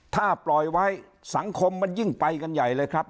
ถ้าปล่อยไว้สังคมมันยิ่งไปกันใหญ่เลยครับ